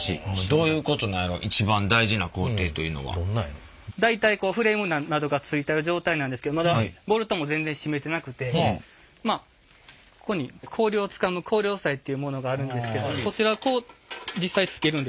どういうことなんやろ一番大事な工程というのは。大体こうフレームなどが付いた状態なんですけどまだボルトも全然締めてなくてまあここに氷をつかむ氷押さえっていうものがあるんですけどこちらこう実際付けるんですね。